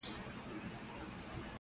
ستا له مالته رخصتېږمه بیا نه راځمه!.